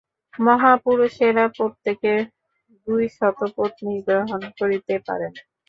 মহাপুরুষেরা প্রত্যেকে দুই শত পত্নী গ্রহণ করিতে পারেন।